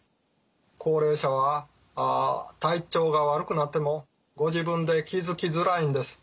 高齢者は体調が悪くなってもご自分で気づきづらいんです。